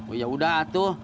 oh yaudah tuh